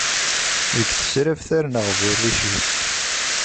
Deg tesraft ar neγbu rric-is!